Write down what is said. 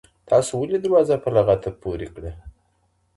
تاسو ولې دروازه په لغته پورې کړه؟